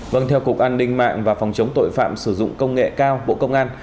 vâng theo cục an ninh mạng và phòng chống tội phạm sử dụng công nghệ cao bộ công an